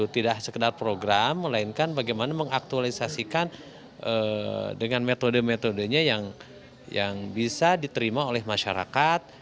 tidak sekedar program melainkan bagaimana mengaktualisasikan dengan metode metodenya yang bisa diterima oleh masyarakat